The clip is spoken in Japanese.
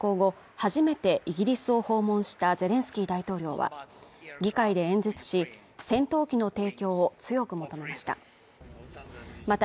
初めてイギリスを訪問したゼレンスキー大統領は議会で演説し戦闘機の提供を強く求めました